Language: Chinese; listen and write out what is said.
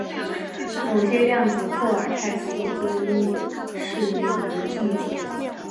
某些量子霍尔态似乎拥有适用于的性质。